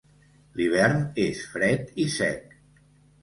L'hivern és fred i sec.